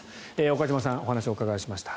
岡島さんにお話をお伺いしました。